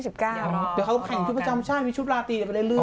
เดี๋ยวเขาแข่งชุดประจำใช่มีชุดลาตีจะไปเล่นเรื่อง